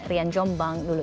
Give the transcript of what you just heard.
rian jombang dulu